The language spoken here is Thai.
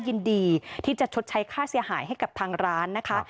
ยินดีที่จะชดใช้ค่าเสียหายให้กับทางร้านนะคะ